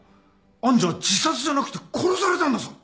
愛珠は自殺じゃなくて殺されたんだぞ。